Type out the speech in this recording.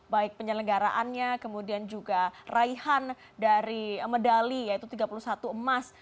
baik penyelenggaraannya kemudian juga raihan dari medali yaitu tiga puluh satu emas